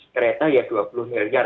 kereta ya dua puluh miliar